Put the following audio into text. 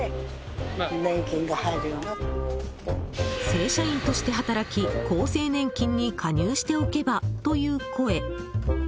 正社員として働き、厚生年金に加入しておけばという声。